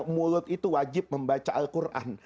mulut itu wajib membaca al quran